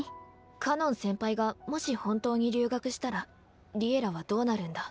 かのん先輩がもし本当に留学したら「Ｌｉｅｌｌａ！」はどうなるんだ。